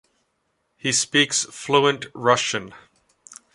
He speaks fluent Russian.